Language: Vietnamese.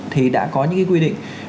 thì đã có những cái quy định